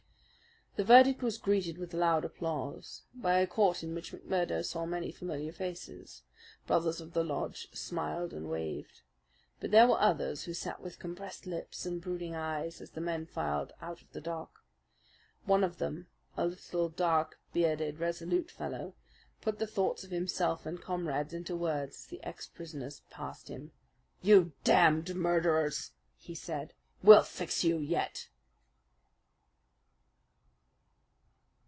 The verdict was greeted with loud applause by a court in which McMurdo saw many familiar faces. Brothers of the lodge smiled and waved. But there were others who sat with compressed lips and brooding eyes as the men filed out of the dock. One of them, a little, dark bearded, resolute fellow, put the thoughts of himself and comrades into words as the ex prisoners passed him. "You damned murderers!" he said. "We'll fix you yet!"